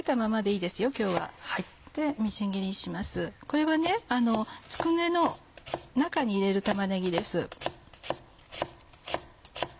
これはつくねの中に入れる玉ねぎです。